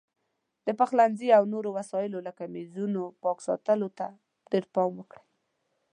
د پخلنځي او نورو وسایلو لکه میزونو پاک ساتلو ته ډېر پام وکړئ.